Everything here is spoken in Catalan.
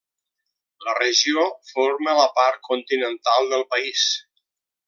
La regió forma la part continental del país.